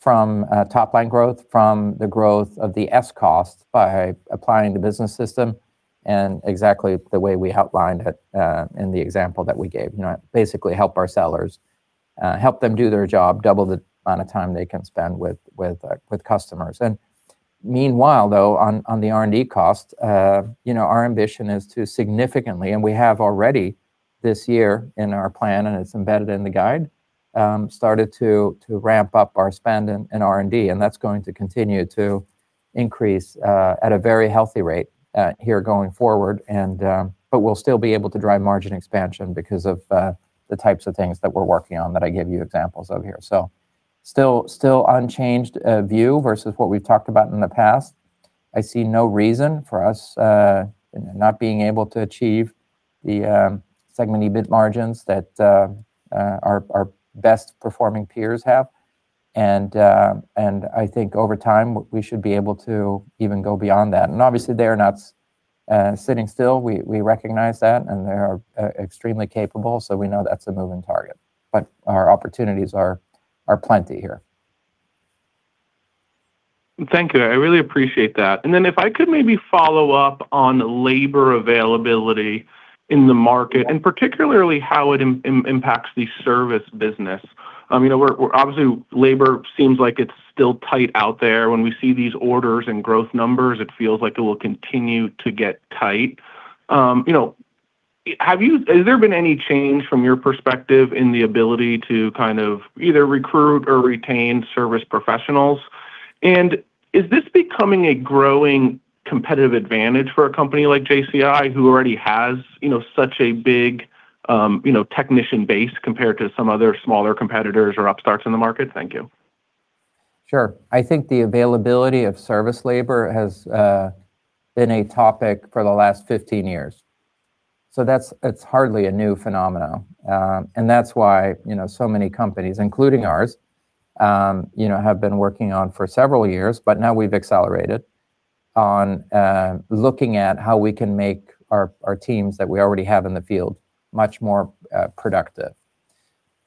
from top line growth from the growth of the SG&A costs by applying the business system and exactly the way we outlined it in the example that we gave. You know, basically, help our sellers help them do their job, double the amount of time they can spend with customers. Meanwhile, though, on the R&D cost, you know, our ambition is to significantly, and we have already this year in our plan, and it's embedded in the guide, started to ramp up our spend in R&D, and that's going to continue to increase at a very healthy rate here going forward. And, but we'll still be able to drive margin expansion because of the types of things that we're working on that I gave you examples of here. So still, still unchanged view versus what we've talked about in the past. I see no reason for us not being able to achieve the segment EBIT margins that our best performing peers have. And I think over time, we should be able to even go beyond that. And obviously, they are not sitting still. We recognize that, and they are extremely capable, so we know that's a moving target, but our opportunities are plenty here. Thank you. I really appreciate that. And then if I could maybe follow up on labor availability in the market, and particularly how it impacts the service business. You know, obviously, labor seems like it's still tight out there. When we see these orders and growth numbers, it feels like it will continue to get tight. You know, has there been any change from your perspective in the ability to kind of either recruit or retain service professionals? And is this becoming a growing competitive advantage for a company like JCI, who already has, you know, such a big, you know, technician base compared to some other smaller competitors or upstarts in the market? Thank you. Sure. I think the availability of service labor has been a topic for the last 15 years, so that's, it's hardly a new phenomenon. That's why, you know, so many companies, including ours, you know, have been working on for several years. But now we've accelerated on looking at how we can make our teams that we already have in the field much more productive.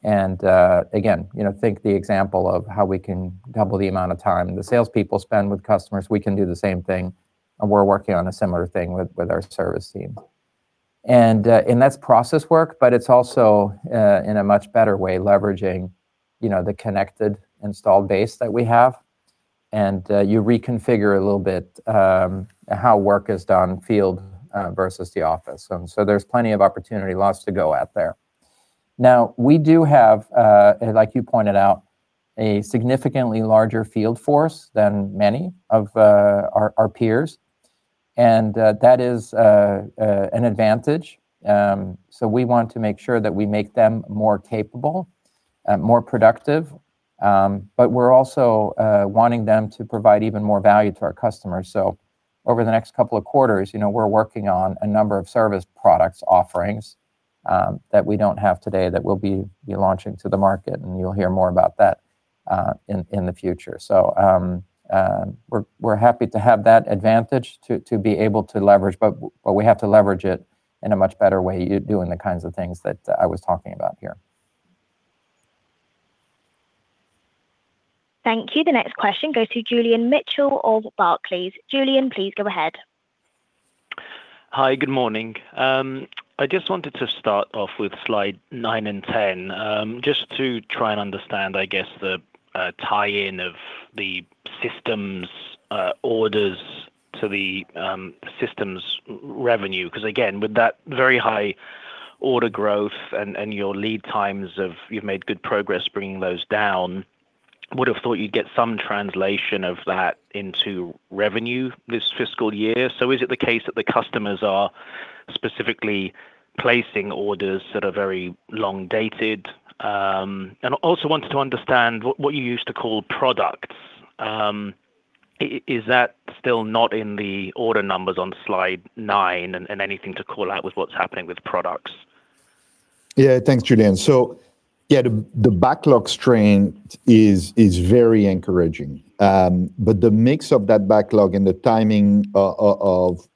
Again, you know, think the example of how we can double the amount of time the salespeople spend with customers. We can do the same thing, and we're working on a similar thing with our service team. And that's process work, but it's also in a much better way, leveraging, you know, the connected installed base that we have. You reconfigure a little bit how work is done field versus the office. So there's plenty of opportunity, lots to go at there. Now, we do have, like you pointed out, a significantly larger field force than many of our peers, and that is an advantage. So we want to make sure that we make them more capable, more productive, but we're also wanting them to provide even more value to our customers. So over the next couple of quarters, you know, we're working on a number of service products offerings that we don't have today that we'll be launching to the market, and you'll hear more about that in the future. So, we're happy to have that advantage to be able to leverage, but we have to leverage it in a much better way, doing the kinds of things that I was talking about here. Thank you. The next question goes to Julian Mitchell of Barclays. Julian, please go ahead. Hi, good morning. I just wanted to start off with slide nine and 10, just to try and understand, I guess, the tie in of the systems orders to the systems revenue. Because, again, with that very high order growth and your lead times of you've made good progress bringing those down, would have thought you'd get some translation of that into revenue this fiscal year. So is it the case that the customers are specifically placing orders that are very long dated? And I also wanted to understand what you used to call products. Is that still not in the order numbers on slide nine, and anything to call out with what's happening with products? Yeah. Thanks, Julian. So, yeah, the backlog strain is very encouraging. But the mix of that backlog and the timing of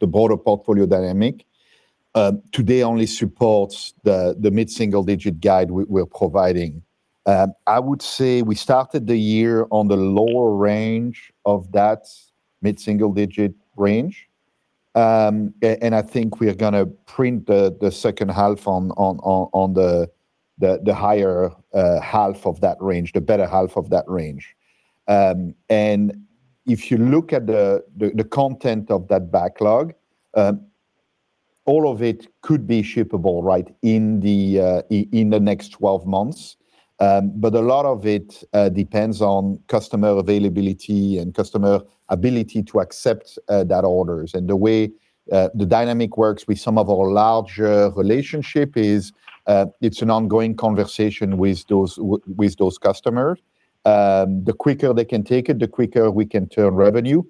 the broader portfolio dynamic today only supports the mid-single-digit guide we're providing. I would say we started the year on the lower range of that mid-single-digit range. And I think we are gonna print the second half on the higher half of that range, the better half of that range. And if you look at the content of that backlog, all of it could be shippable, right, in the next 12 months. But a lot of it depends on customer availability and customer ability to accept that orders. And the way the dynamic works with some of our larger relationship is, it's an ongoing conversation with those customers. The quicker they can take it, the quicker we can turn revenue.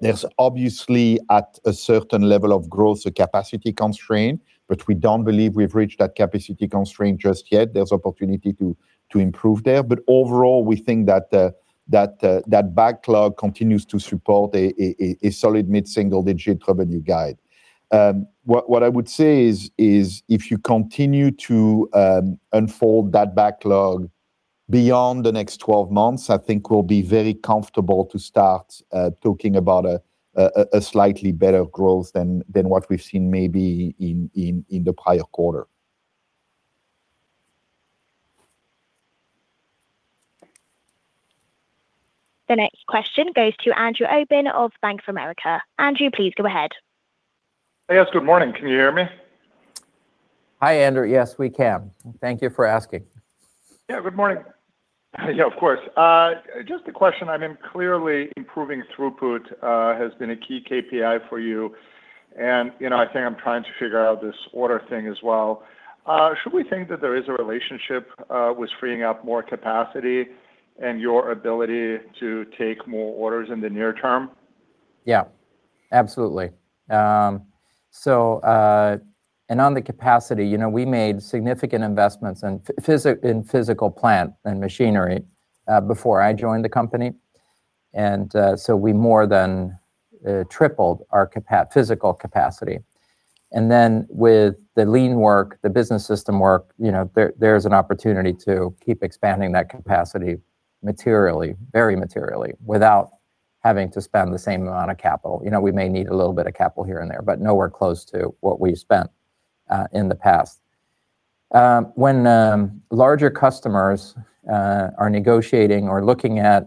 There's obviously at a certain level of growth, a capacity constraint, but we don't believe we've reached that capacity constraint just yet. There's opportunity to improve there. But overall, we think that the backlog continues to support a solid mid-single-digit revenue guide. What I would say is if you continue to unfold that backlog beyond the next 12 months, I think we'll be very comfortable to start talking about a slightly better growth than what we've seen maybe in the prior quarter. The next question goes to Andrew Obin of Bank of America. Andrew, please go ahead. Hey, guys. Good morning. Can you hear me? Hi, Andrew. Yes, we can. Thank you for asking. Yeah, good morning. Yeah, of course. Just a question, I mean, clearly, improving throughput has been a key KPI for you, and, you know, I think I'm trying to figure out this order thing as well. Should we think that there is a relationship with freeing up more capacity and your ability to take more orders in the near term? Yeah, absolutely. So, on the capacity, you know, we made significant investments in physical plant and machinery before I joined the company. And, so we more than tripled our physical capacity. And then with the lean work, the business system work, you know, there's an opportunity to keep expanding that capacity materially, very materially, without having to spend the same amount of capital. You know, we may need a little bit of capital here and there, but nowhere close to what we spent in the past. When larger customers are negotiating or looking at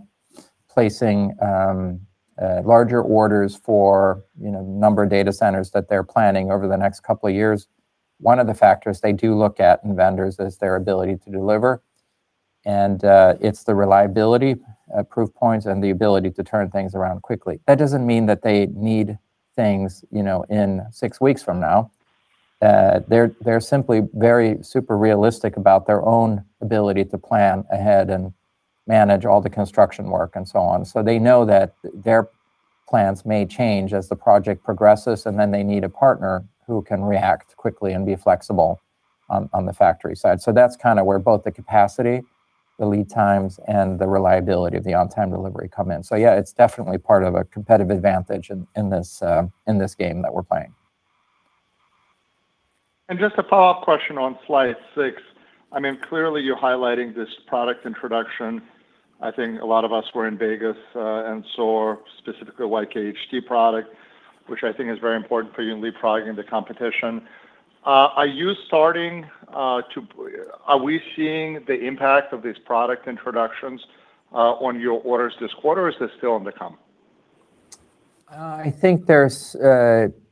placing larger orders for, you know, number of data centers that they're planning over the next couple of years, one of the factors they do look at in vendors is their ability to deliver, and it's the reliability proof points, and the ability to turn things around quickly. That doesn't mean that they need things, you know, in six weeks from now. They're simply very super realistic about their own ability to plan ahead and manage all the construction work and so on. So they know that their plans may change as the project progresses, and then they need a partner who can react quickly and be flexible on the factory side. So that's kind of where both the capacity, the lead times, and the reliability of the on-time delivery come in. So yeah, it's definitely part of a competitive advantage in this game that we're playing. Just a follow-up question on slide six. I mean, clearly, you're highlighting this product introduction. I think a lot of us were in Vegas and saw specifically YK-HT product, which I think is very important for you in lead product in the competition. Are we seeing the impact of these product introductions on your orders this quarter, or is this still on the come? I think there's.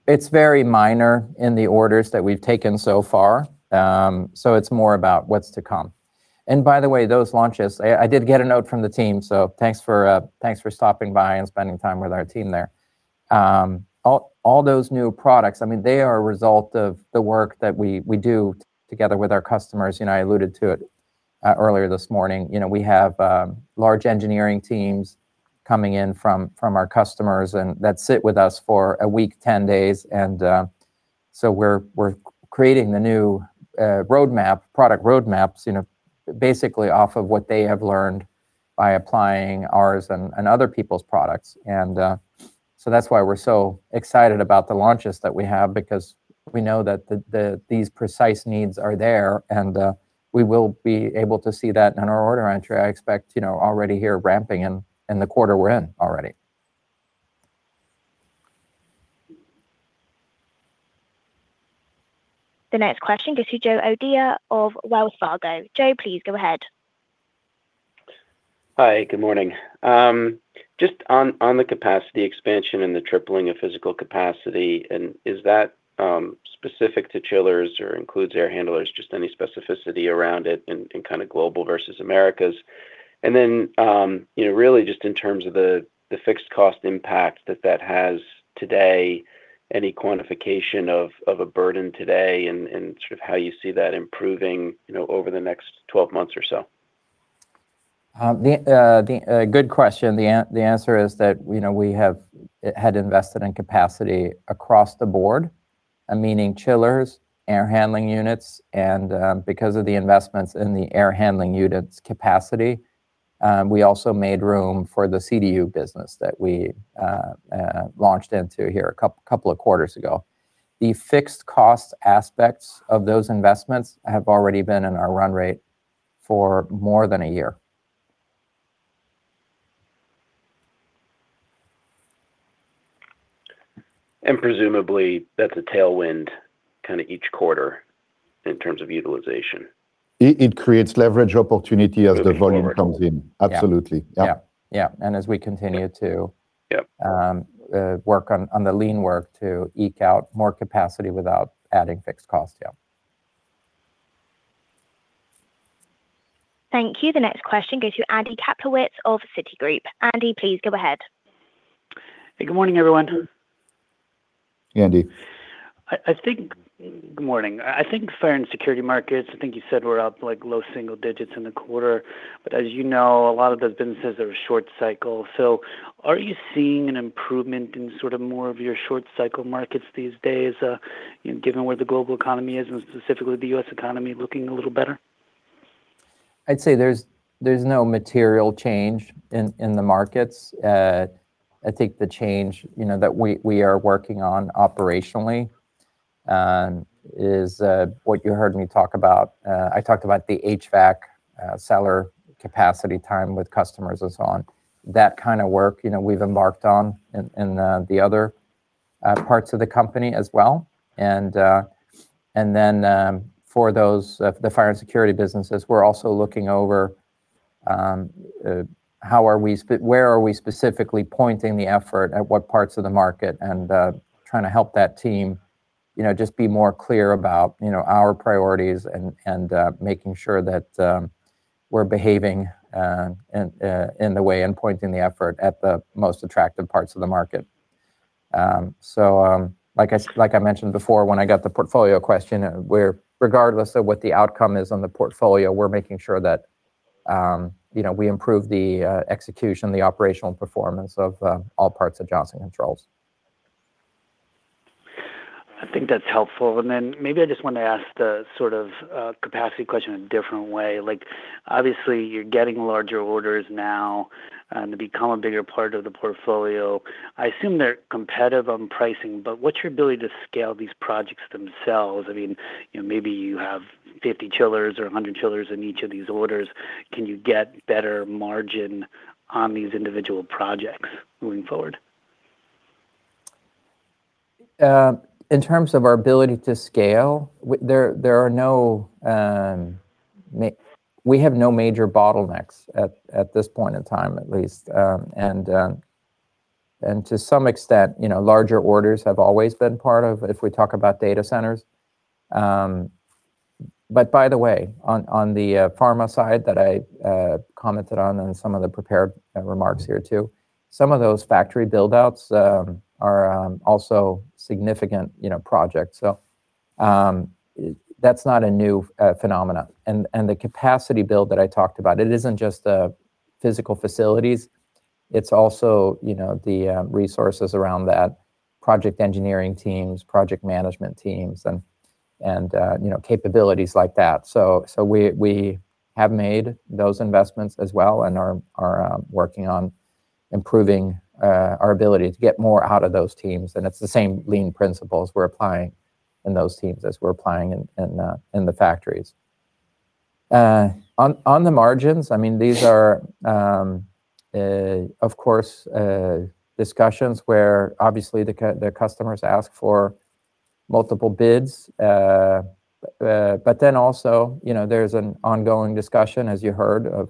It's very minor in the orders that we've taken so far. So it's more about what's to come. And by the way, those launches, I did get a note from the team, so thanks for thanks for stopping by and spending time with our team there. All those new products, I mean, they are a result of the work that we do together with our customers. You know, I alluded to it earlier this morning. You know, we have large engineering teams coming in from our customers, and that sit with us for a week, 10 days, and so we're creating the new roadmap, product roadmaps, you know, basically off of what they have learned by applying ours and other people's products. So that's why we're so excited about the launches that we have, because we know that these precise needs are there, and we will be able to see that in our order entry. I expect, you know, already here ramping in the quarter we're in already. The next question goes to Joe O'Dea of Wells Fargo. Joe, please go ahead. Hi, good morning. Just on the capacity expansion and the tripling of physical capacity, and is that specific to chillers or includes air handlers, just any specificity around it in kind of global versus Americas? And then, you know, really just in terms of the fixed cost impact that that has today, any quantification of a burden today and sort of how you see that improving, you know, over the next twelve months or so? Good question. The answer is that, you know, we have had invested in capacity across the board, meaning chillers, air handling units, and, because of the investments in the air handling units capacity. We also made room for the CDU business that we launched into here a couple of quarters ago. The fixed cost aspects of those investments have already been in our run rate for more than a year. Presumably, that's a tailwind kinda each quarter in terms of utilization? It creates leverage opportunity as the volume comes in. Moving forward. Absolutely. Yeah. Yeah. Yeah. Yeah, and as we continue to- Yeah... work on the lean work to eke out more capacity without adding fixed costs, yeah. Thank you. The next question goes to Andy Kaplowitz of Citigroup. Andy, please go ahead. Hey, good morning, everyone. Andy. Good morning. I think fire and security markets, I think you said were up like low single digits in the quarter, but as you know, a lot of that business is of a short cycle. So are you seeing an improvement in sort of more of your short cycle markets these days, you know, given where the global economy is, and specifically the U.S. economy looking a little better? I'd say there's no material change in the markets. I think the change, you know, that we are working on operationally is what you heard me talk about. I talked about the HVAC seller capacity time with customers and so on. That kind of work, you know, we've embarked on in the other parts of the company as well. And then, for those, the fire and security businesses, we're also looking over, how are we, where are we specifically pointing the effort, at what parts of the market, and trying to help that team, you know, just be more clear about, you know, our priorities and making sure that, we're behaving and in the way and pointing the effort at the most attractive parts of the market. So, like I mentioned before, when I got the portfolio question, we're regardless of what the outcome is on the portfolio, we're making sure that, you know, we improve the execution, the operational performance of all parts of Johnson Controls. I think that's helpful. Then maybe I just want to ask the sort of capacity question a different way. Like, obviously, you're getting larger orders now and to become a bigger part of the portfolio. I assume they're competitive on pricing, but what's your ability to scale these projects themselves? I mean, you know, maybe you have 50 chillers or 100 chillers in each of these orders. Can you get better margin on these individual projects moving forward? In terms of our ability to scale, we have no major bottlenecks at this point in time, at least. And to some extent, you know, larger orders have always been part of if we talk about data centers. But by the way, on the pharma side that I commented on in some of the prepared remarks here, too, some of those factory build outs are also significant, you know, projects. So, that's not a new phenomenon. And the capacity build that I talked about, it isn't just the physical facilities, it's also, you know, the resources around that: project engineering teams, project management teams, and you know, capabilities like that. So we have made those investments as well and are working on improving our ability to get more out of those teams. It's the same Lean principles we're applying in those teams as we're applying in the factories. On the margins, I mean, these are, of course, discussions where obviously, the customers ask for multiple bids. But then also, you know, there's an ongoing discussion, as you heard, of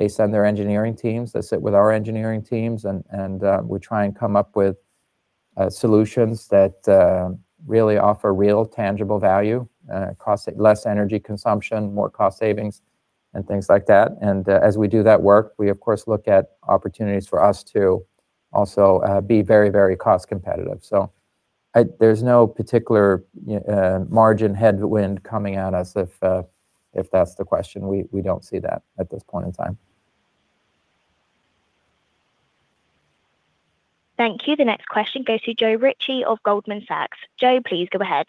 they send their engineering teams, they sit with our engineering teams, and we try and come up with solutions that really offer real tangible value, cost, less energy consumption, more cost savings, and things like that. As we do that work, we of course look at opportunities for us to also be very, very cost competitive. There's no particular margin headwind coming at us if if that's the question, we, we don't see that at this point in time. Thank you. The next question goes to Joe Ritchie of Goldman Sachs. Joe, please go ahead.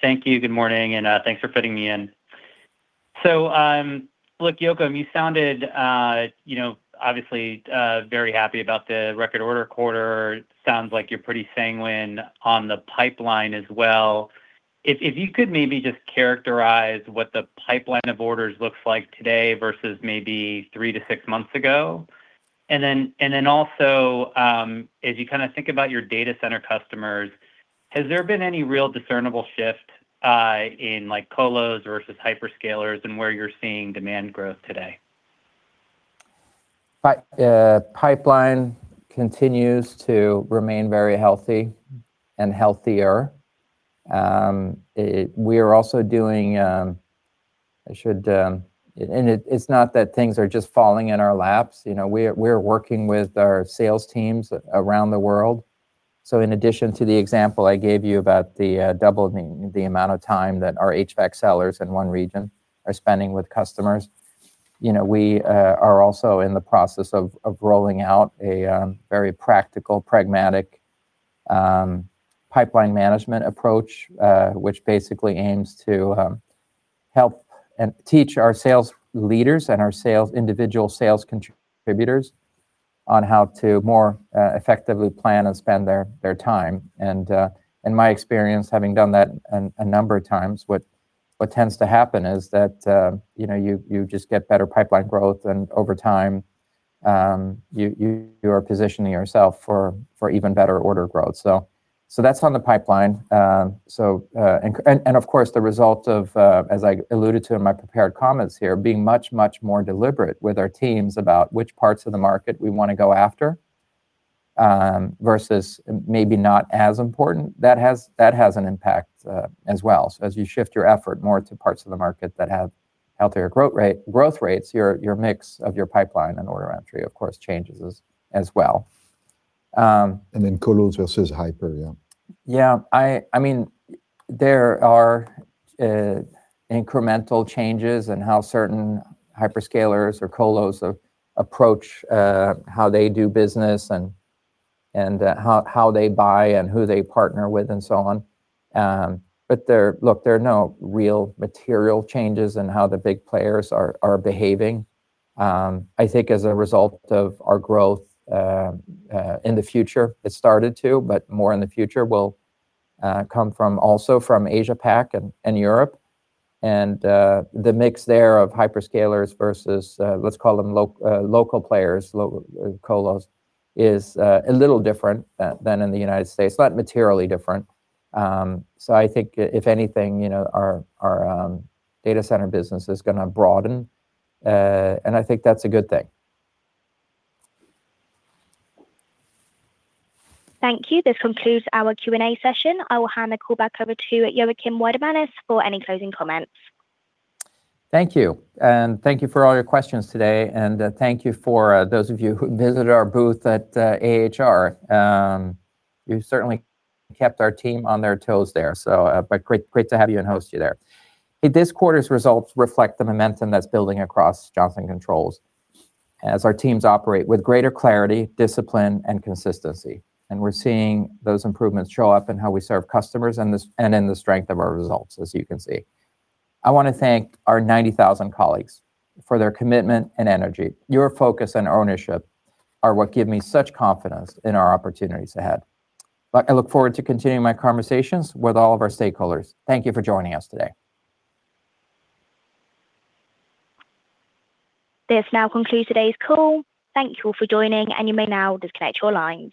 Thank you. Good morning, and thanks for fitting me in. So, look, Joakim, you sounded, you know, obviously, very happy about the record order quarter. Sounds like you're pretty sanguine on the pipeline as well. If you could maybe just characterize what the pipeline of orders looks like today versus maybe 3-6 months ago. And then also, as you kinda think about your data center customers, has there been any real discernible shift, in, like, colos versus hyperscalers and where you're seeing demand growth today? Pipeline continues to remain very healthy and healthier. And it, it's not that things are just falling in our laps. You know, we're, we're working with our sales teams around the world. So in addition to the example I gave you about the doubling the amount of time that our HVAC sellers in one region are spending with customers, you know, we are also in the process of rolling out a very practical, pragmatic pipeline management approach, which basically aims to help and teach our sales leaders and our sales individual sales contributors on how to more effectively plan and spend their, their time. In my experience, having done that a number of times, what tends to happen is that, you know, you just get better pipeline growth, and over time, you are positioning yourself for even better order growth. So that's on the pipeline. And of course, the result of, as I alluded to in my prepared comments here, being much more deliberate with our teams about which parts of the market we want to go after, versus maybe not as important, that has an impact, as well. So as you shift your effort more to parts of the market that have healthier growth rates, your mix of your pipeline and order entry, of course, changes as well. And then colos versus hypers, yeah. Yeah, I mean, there are incremental changes in how certain hyperscalers or colos approach how they do business and how they buy and who they partner with and so on. But there... Look, there are no real material changes in how the big players are behaving. I think as a result of our growth in the future, it started to, but more in the future will come from also from Asia Pac and Europe. And the mix there of hyperscalers versus, let's call them local players, colos, is a little different than in the United States, not materially different. So I think if anything, you know, our data center business is gonna broaden, and I think that's a good thing. Thank you. This concludes our Q&A session. I will hand the call back over to Joakim Weidemanis for any closing comments. Thank you. And thank you for all your questions today, and thank you for those of you who visited our booth at AHR. You certainly kept our team on their toes there, so, but great, great to have you and host you there. This quarter's results reflect the momentum that's building across Johnson Controls as our teams operate with greater clarity, discipline, and consistency. And we're seeing those improvements show up in how we serve customers and in the strength of our results, as you can see. I want to thank our 90,000 colleagues for their commitment and energy. Your focus and ownership are what give me such confidence in our opportunities ahead. But I look forward to continuing my conversations with all of our stakeholders. Thank you for joining us today. This now concludes today's call. Thank you all for joining, and you may now disconnect your lines.